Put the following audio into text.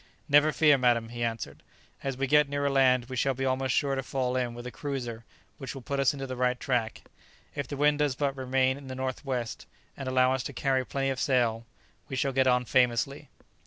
"Never fear, madam," he answered; "as we get nearer land we shall be almost sure to fall in with a cruiser which will put us into the right track. If the wind does but remain in the north west, and allow us to carry plenty of sail, we shall get on famously."